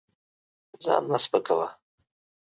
ځان مه سپکوه.